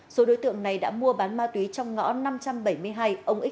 số đối tượng này đã mua bán ma túy trong ngõ năm trăm bảy mươi hai